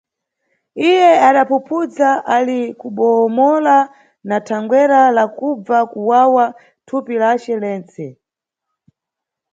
Iye adaphuphudza ali kubohomola na thangwera la kubva kuwawa thupi lace yetse.